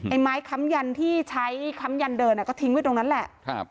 ไม้ค้ำยันที่ใช้ค้ำยันเดินอ่ะก็ทิ้งไว้ตรงนั้นแหละ